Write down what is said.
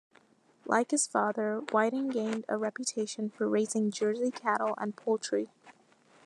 Like his father, Whiting gained a reputation for raising Jersey cattle and poultry.